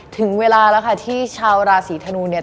ถึงเวลาแล้วค่ะที่ชาวราศีธนูเนี่ย